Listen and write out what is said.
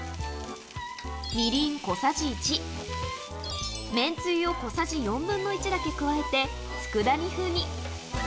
みりん小さじ１、めんつゆを小さじ４分の１だけ加えて、つくだ煮風に。